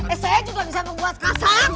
eh saya juga bisa membuat kasang